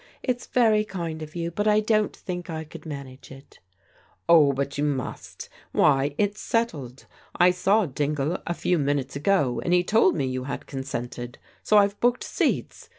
It's very kind of you, but I don't think I could manage it" " Oh, but you must Why, it's settled. I saw Dingle a few minutes ago, and he told me you had consented, so I've booked seats.